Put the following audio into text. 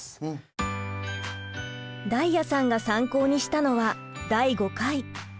太哉さんが参考にしたのは第５回。